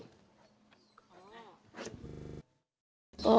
ส่วนเรื่องทางคดีนะครับตำรวจก็มุ่งไปที่เรื่องการฆาตฉิงทรัพย์นะครับ